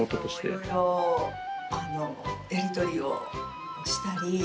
色々やり取りをしたり。